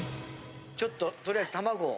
ちょっととりあえず卵を。